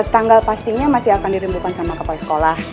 tanggal pastinya masih akan dirindukan sama kepala sekolah